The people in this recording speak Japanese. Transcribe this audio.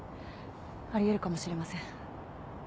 あり得るかもしれません。